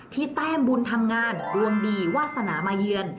แต้มบุญทำงานดวงดีวาสนามาเยือน